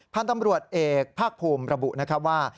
พันธมรวชเอกภาคภูมิระบุว่า